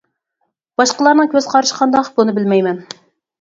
باشقىلارنىڭ كۆز قارىشى قانداق بۇنى بىلمەيمەن.